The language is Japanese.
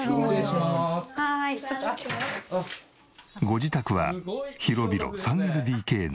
ご自宅は広々３ＬＤＫの持ち家。